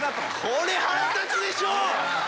これ腹立つでしょう。